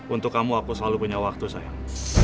untuk kamu aku selalu punya waktu sayang